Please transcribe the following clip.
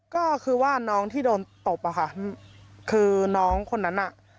ก็คือว่าน้องที่โดนตบอะค่ะคือน้องคนนั้นน่ะ